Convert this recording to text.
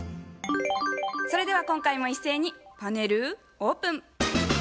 それでは今回も一斉にパネルオープン。